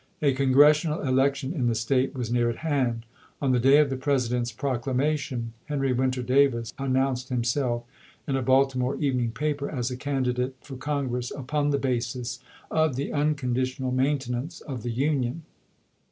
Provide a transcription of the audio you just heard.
A Congressional election in the State was near at hand. On the day of the Presi dent's proclamation Henry Winter Davis an nounced himself, in a Baltimore evening paper, as a candidate for Congress " upon the basis of the unconditional maintenance of the Union."